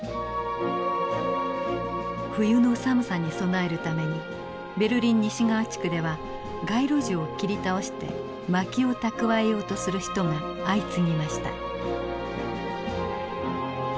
冬の寒さに備えるためにベルリン西側地区では街路樹を切り倒して薪を蓄えようとする人が相次ぎました。